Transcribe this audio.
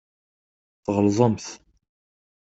Tɣelḍemt.